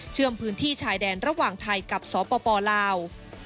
พื้นที่ชายแดนระหว่างไทยกับสปลาว